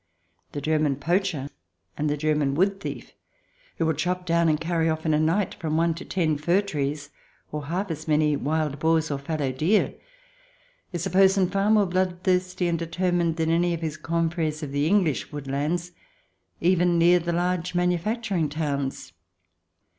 The German poacher and the German wood thief, who will chop down and carry off in a night from one to ten fir trees or half as many wild boars or fallow deer, is a person far more bloodthirsty and determined than any of his confreres of the English woodlands, even near the large manufacturing towns.